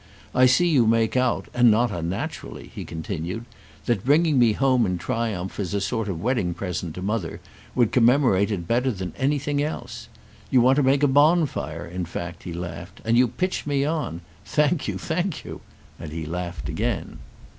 I see you make out, and not unnaturally," he continued, "that bringing me home in triumph as a sort of wedding present to Mother would commemorate it better than anything else. You want to make a bonfire in fact," he laughed, "and you pitch me on. Thank you, thank you!" he laughed again.